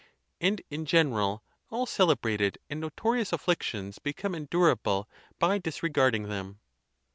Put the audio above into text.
And in general all celebrated and notorious afflictions become endurable by disregard ing them.